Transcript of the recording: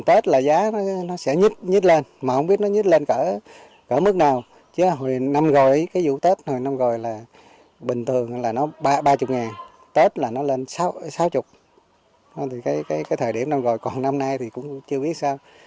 tết là nó lên sáu mươi thì cái thời điểm năm rồi còn năm nay thì cũng chưa biết sao